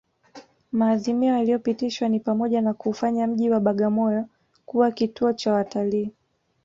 Maazimio yaliyopitishwa ni pamoja na kuufanya mji wa Bagamoyo kuwa kituo cha watalii